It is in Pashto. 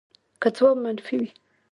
که ځواب منفي وي